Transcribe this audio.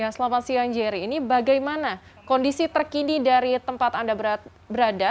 selamat siang jerry ini bagaimana kondisi terkini dari tempat anda berada